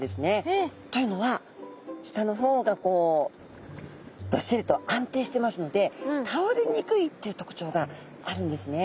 えっ！？というのは下の方がこうどっしりと安定してますのでたおれにくいというとくちょうがあるんですね。